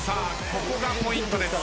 ここがポイントです。